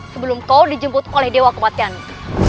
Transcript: sebelum kau dijemput oleh dewa kematian